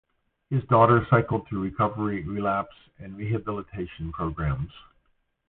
Her daughter cycled through recovery, relapse and rehabilitation programs.